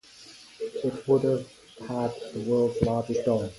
It would have had the world's largest dome.